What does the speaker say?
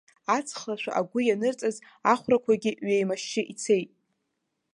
Аҵхлашәы агәы ианырҵаз ахәрақәагьы ҩеимашьшьы ицеит!